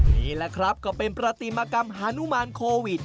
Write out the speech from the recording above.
นี่แหละครับก็เป็นประติมากรรมฮานุมานโควิด